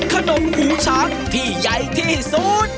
ขนมหูช้างที่ใหญ่ที่ศูนย์